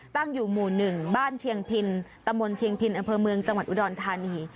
ตั้งอยู่หมู่๑บ้านเชียงพินตำบลเชียงพินอำเภอเมืองจังหวัดอุดรธานี